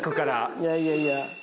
いやいやいや。